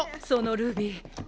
そのルビー